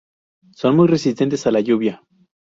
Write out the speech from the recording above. Son muy resistentes a la lluvia.